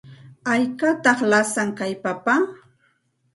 ¿Haykataq lasan kay papa?